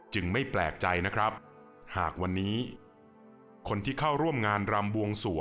จึงไม่แปลกใจนะครับ